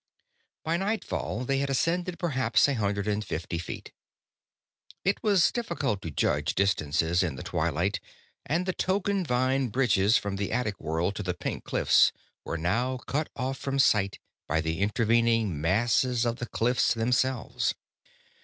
By nightfall, they had ascended perhaps a hundred and fifty feet. It was difficult to judge distances in the twilight, and the token vine bridges from the attic world to the pink cliffs were now cut off from sight by the intervening masses of the cliffs themselves.